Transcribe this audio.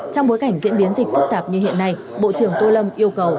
trong bối cảnh diễn biến dịch phức tạp như hiện nay bộ trưởng tô lâm yêu cầu